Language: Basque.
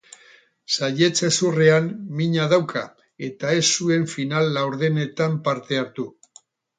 Saihets-hezurrean mina dauka eta ez zuen final-laurdenetan parte hartu.